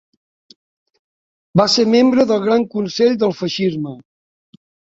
Va ser membre del Gran Consell del Feixisme.